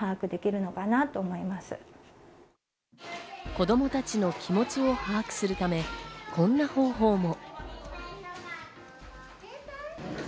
子供たちの気持ちを把握するため、こんな方法も。